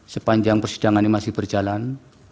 sepanjang persidangan ini masih berjalan